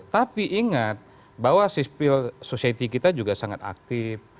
tapi ingat bahwa sisi sosial kita juga sangat aktif